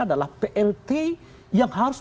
adalah plt yang harus